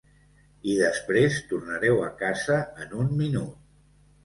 I després tornareu a casa en un minut.